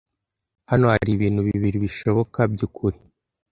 Hano hari ibintu bibiri bishoboka byukuri